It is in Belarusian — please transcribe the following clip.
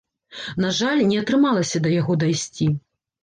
На жаль, не атрымалася да яго дайсці.